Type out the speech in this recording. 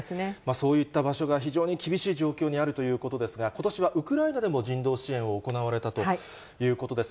そういった場所が非常に厳しい状況にあるということですが、ことしはウクライナでも人道支援を行われたということです。